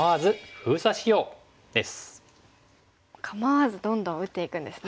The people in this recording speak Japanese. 構わずどんどん打っていくんですね。